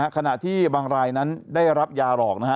ขณะที่บางรายนั้นได้รับยาหลอกนะฮะ